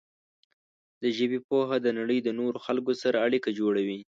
د ژبې پوهه د نړۍ د نورو خلکو سره اړیکه جوړوي.